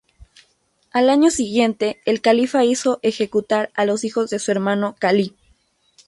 Al año siguiente el califa hizo ejecutar a los hijos de su hermano Khalid.